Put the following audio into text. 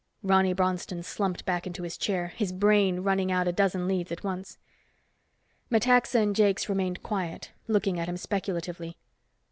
Ronny Bronston slumped back into his chair, his brain running out a dozen leads at once. Metaxa and Jakes remained quiet, looking at him speculatively.